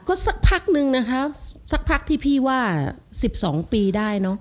ก็สักพักนึงนะคะสักพักที่พี่ว่า๑๒ปีได้เนอะ